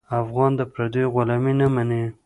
افغان د پردیو غلامي نه مني.